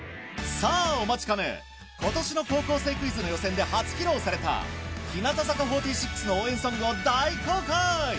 さぁお待ちかね今年の『高校生クイズ』の予選で初披露された日向坂４６の応援ソングを大公開！